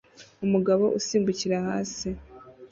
Umugabo usimbukira hasi